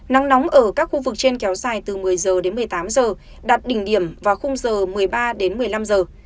nắng nóng ở các khu vực trên kéo dài từ một mươi giờ đến một mươi tám giờ đạt đỉnh điểm vào khung giờ một mươi ba đến một mươi năm giờ